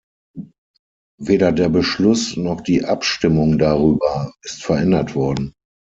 Weder der Beschluss noch die Abstimmung darüber ist verändert worden.